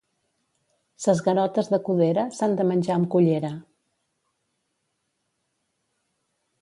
Ses garotes de Codera, s'han de menjar amb cullera.